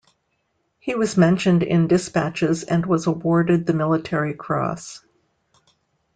He was mentioned in dispatches and was awarded the Military Cross.